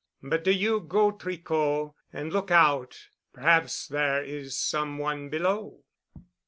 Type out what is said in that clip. But do you go, Tricot, and look out. Perhaps there is some one below."